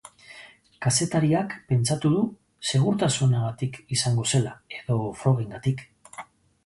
Kazetariak pentsatu du segurtasunagatik izango zela, edo frogengatik.